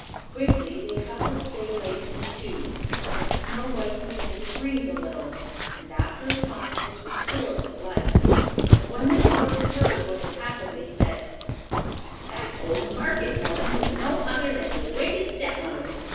Quickly they cut the stay lace in two, till Snow white began to breathe a little, and after a time was restored to life. But when the dwarfs heard what had happened, they said: "That old market woman was no other than your wicked stepmother.